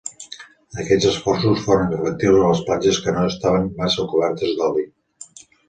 Aquests esforços foren efectius a les platges que no estaven massa cobertes d'oli.